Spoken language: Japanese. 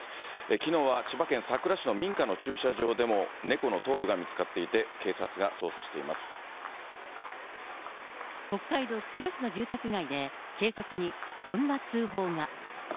きのうは千葉県佐倉市の民家の駐車場でも猫の頭部が見つかってい北海道釧路市の住宅街で、警察にこんな通報が。